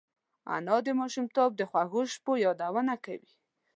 انا د ماشومتوب د خوږو شپو یادونه کوي